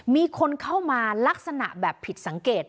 มีคนเข้ามาลักษณะแบบผิดสังเกต